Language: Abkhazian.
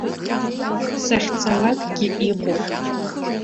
Сахьцалакгьы иҟоуп.